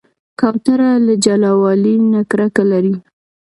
کوتره له جلاوالي نه کرکه لري.